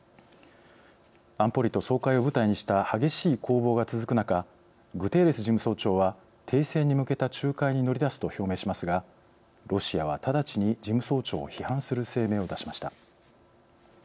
安保理と総会を舞台にした激しい攻防が続く中グテーレス事務総長は停戦に向けた仲介に乗り出すと、表明しますがロシアは直ちに事務総長を批判する声明を出しました。